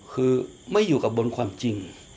คือไม่อยู่กับบนความจริง